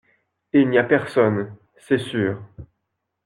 Il n’y a personne, c’est sûr.